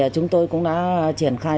chúng tôi cũng đã triển khai